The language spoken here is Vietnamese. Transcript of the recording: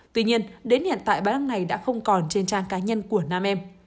tuy nhiên đến hiện tại bác này đã không còn trên trang cá nhân của nam em